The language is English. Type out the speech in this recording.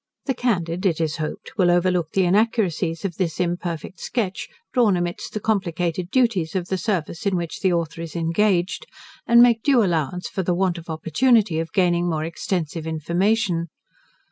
The candid, it is hoped, will overlook the inaccuracies of this imperfect sketch, drawn amidst the complicated duties of the service in which the Author is engaged, and make due allowance for the want of opportunity of gaining more extensive information.